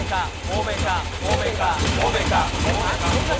欧米か！